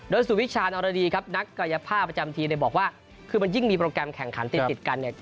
โดยสุวิชานรดีครับนักกายภาพประจำทีมเนี่ยบอกว่าคือมันยิ่งมีโปรแกรมแข่งขันติดติดกันเนี่ย